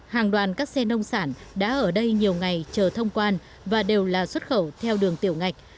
hàng đoàn các xe nông sản đã ở đây nhiều ngày chờ thông quan và đều là xuất khẩu theo đường tiểu ngạch